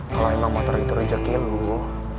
kalau emang motor itu rejeki lo ya